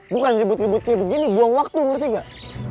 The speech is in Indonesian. bukan ribut ributnya begini buang waktu ngerti gak